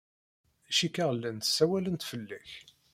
Cikkeɣ llant ssawalent fell-ak.